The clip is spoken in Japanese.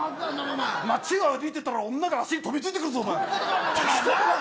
街歩いてたら女が足に飛びついてくるぞ。